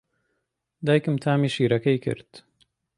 دایکم تامی شیرەکەی کرد.